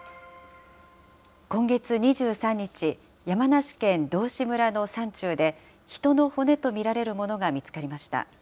今月２３日、山梨県道志村の山中で、人の骨と見られるものが見つかりました。